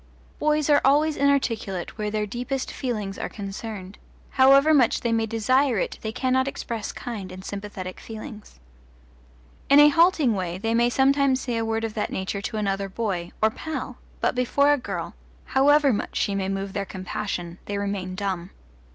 Boys are always inarticulate where their deepest feelings are concerned; however much they may desire it they cannot express kind and sympathetic feelings. In a halting way they may sometimes say a word of that nature to another boy, or pal, but before a girl, however much she may move their compassion, they remain dumb.